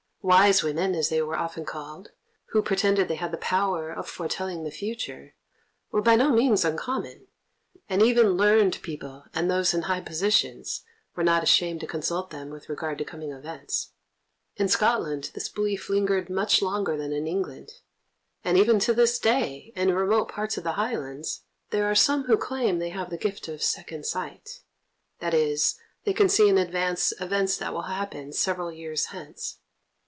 "Wise women," as they were often called, who pretended they had the power of foretelling the future, were by no means uncommon, and even learned people and those in high positions were not ashamed to consult them with regard to coming events. In Scotland this belief lingered much longer than in England, and even to this day, in remote parts of the Highlands, there are some who claim they have the gift of "second sight" that is, that they can see in advance events that will happen several years hence.